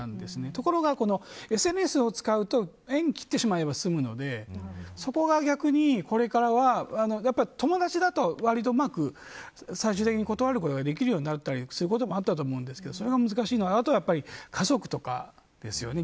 ところが、ＳＮＳを使うと縁を切ってしまえば済むのでそこが逆に、これからは友達だと、わりとうまく最終的に断ることができるようになったりすることもあったと思うんですがそれが難しいのとあとは、家族ですよね。